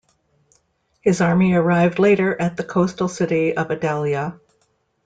His army arrived later at the coastal city of Adalia.